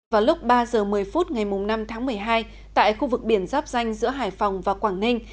vào lúc ba giờ một mươi phút ngày năm tháng một mươi hai tại khu vực biển giáp danh giữa hải phòng và quảng ninh